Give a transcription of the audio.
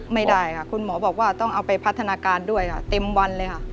ไม่ได้ค่ะคุณหมอบอกว่าต้องเอาไปพัฒนาการด้วยค่ะเต็มวันเลยค่ะ